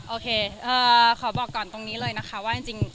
โอเคขอบอกก่อนตรงนี้เลยนะคะว่าจริง